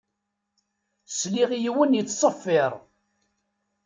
Sliɣ i yiwen yettṣeffiṛ.